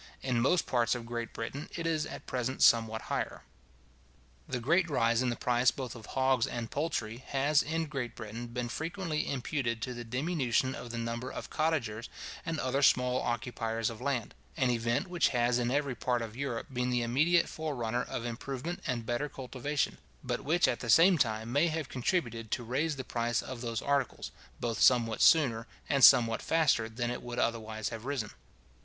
In most parts of Great Britain it is at present somewhat higher. The great rise in the price both of hogs and poultry, has, in Great Britain, been frequently imputed to the diminution of the number of cottagers and other small occupiers of land; an event which has in every part of Europe been the immediate forerunner of improvement and better cultivation, but which at the same time may have contributed to raise the price of those articles, both somewhat sooner and somewhat faster than it would otherwise have risen.